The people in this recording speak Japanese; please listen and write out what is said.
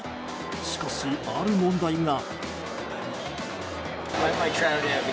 しかし、ある問題が。